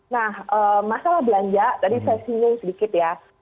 nah masalah belanja tadi saya singgung sedikit ya